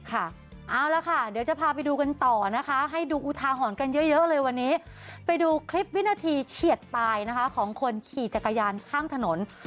เอาละค่ะเดี๋ยวจะพาไปดูกันต่อนะคะให้ดูอุทาหรณ์กันเยอะเลยวันนี้ไปดูคลิปวินาทีเฉียดตายนะคะของคนขี่จักรยานข้ามถนน